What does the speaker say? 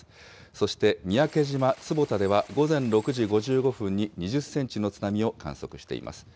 そして三宅島坪田では午前６時５５分に２０センチの津波を観測しています。